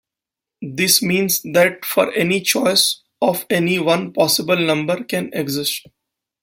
This means that for any choice of only one possible number can exist.